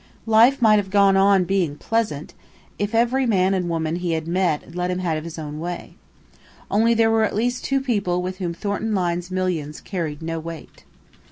Life might have gone on being pleasant if every man and woman he had met had let him have his own way. Only there were at least two people with whom Thornton Lyne's millions carried no weight.